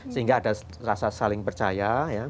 sehingga ada rasa saling percaya